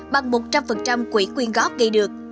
bằng một trăm linh quyền quyên góp gây được